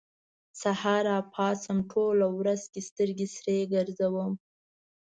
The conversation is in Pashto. سهار راپاڅم، ټوله ورځ کې سترګې سرې ګرځوم